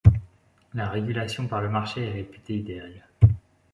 La régulation par le marché est réputée idéale.